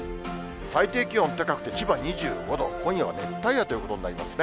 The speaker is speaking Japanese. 最低気温高くて、千葉２５度、今夜は熱帯夜ということになりますね。